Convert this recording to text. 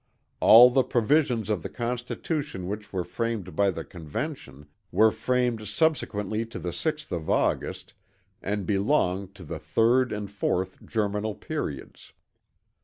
All the provisions of the Constitution which were framed by the Convention were framed subsequently to the 6th of August and belong to the 3d and 4th germinal periods.